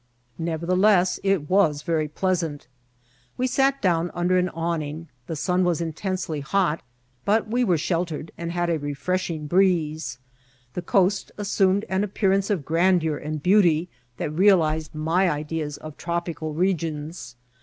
Never^ theless, it was very pleasant. We sat down under an TI8IT TO THB CARIB INDIANS. ST awning; the sun was intense! j hot, but we were shel tered, and had a refreshing breese. The coast asso^ med an appearance of grandeur and beauty that realv ised my ideas of tropical regions.